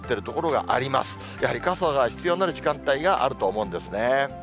やはり傘が必要になる時間帯があると思うんですね。